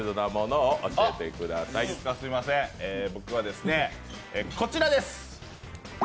僕はこちらです。